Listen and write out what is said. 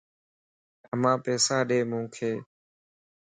امان پيسا ڏي مانک